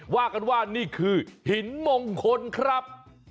ว่ากันว่านี่คือหินมงคลครับ